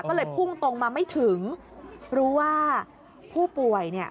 ก็เลยพุ่งตรงมาไม่ถึงรู้ว่าผู้ป่วยเนี่ย